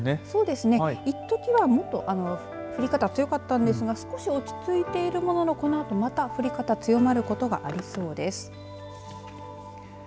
そうですね、一時はもっと降り方、強かったんですが少し落ち着いているもののこのあと、また降り方強まることがありそうです。